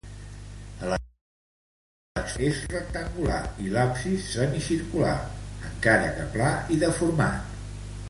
A l'exterior, la nau és rectangular i l'absis semicircular, encara que pla i deformat.